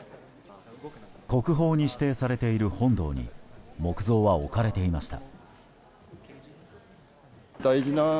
国宝に指定されている本堂に木像は置かれていました。